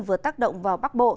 vừa tác động vào bắc bộ